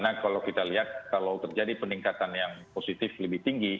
karena kalau kita lihat kalau terjadi peningkatan yang positif lebih tinggi